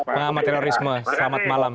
pengamat terorisme selamat malam